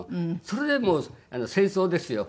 それでもう戦争ですよ。